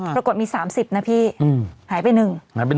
ปรากฏมี๓๐นะพี่หายไป๑หายไป๑คน